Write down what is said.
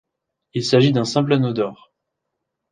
Il s'agit d'un simple anneau d'or.